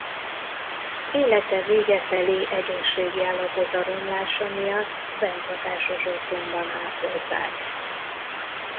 Élete vége felé egészségi állapota romlása miatt bentlakásos otthonban ápolták.